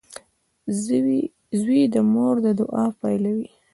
• زوی د مور د دعا پایله وي.